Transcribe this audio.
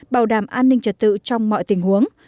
bảo đảm an ninh trật tự trong mọi tình huống